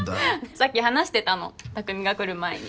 さっき話してたの匠が来る前に。